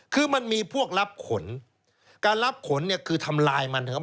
คือมันมีพวกรับขนการรับขนคือทำลายมัน